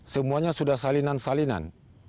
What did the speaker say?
semuanya sudah salinan salinan